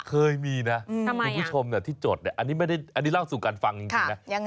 เคยมีนะคุณผู้ชมที่จดเนี่ยอันนี้เล่าสู่การฟังจริงนะ